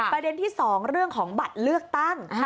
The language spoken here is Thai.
ประเด็นที่๒เรื่องของบัตรเลือกตั้ง